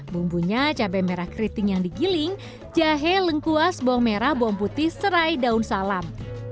bumbunya cabai merah keriting yang digiling jahe lengkuas bawang merah bawang putih serai daun salam